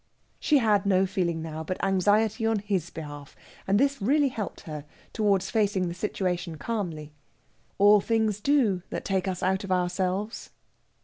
She had no feeling now but anxiety on his behalf, and this really helped her towards facing the situation calmly. All things do that take us out of ourselves.